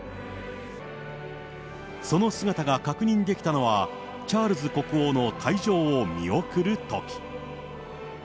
その姿が確認できたのは、チャールズ国王の退場を見送るとき。